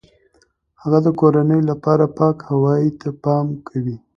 هغه د کورنۍ لپاره پاک هوای ته پام کوي.